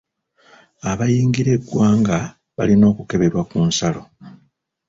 Abayingira eggwanga balina okukeberebwa ku nsalo.